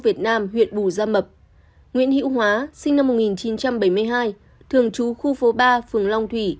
việt nam huyện bù gia mập nguyễn hữu hóa sinh năm một nghìn chín trăm bảy mươi hai thường trú khu phố ba phường long thủy